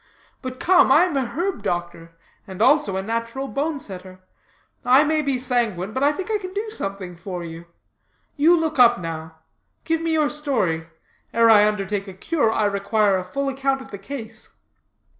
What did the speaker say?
But come, I am a herb doctor, and also a natural bone setter. I may be sanguine, but I think I can do something for you. You look up now. Give me your story. Ere I undertake a cure, I require a full account of the case."